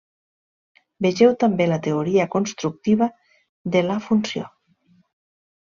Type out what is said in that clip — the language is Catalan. Vegeu també la teoria constructiva de la funció.